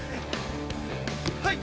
はい！